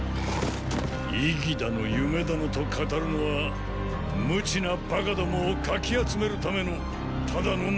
“意義”だの“夢”だのと語るのは無知なバカ共をかき集めるためのただのまやかし。